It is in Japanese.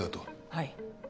はい。